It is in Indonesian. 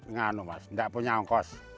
nganuh ndak punya hongkos